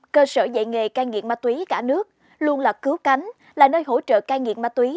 cơ sở dạy nghề cai nghiện ma túy cả nước luôn là cứu cánh là nơi hỗ trợ cai nghiện ma túy